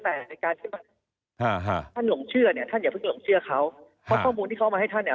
แต่ในการที่ท่านหลงเชื่อเนี่ยท่านอย่าเพิ่งหลงเชื่อเขาเพราะข้อมูลที่เขามาให้ท่านเนี่ย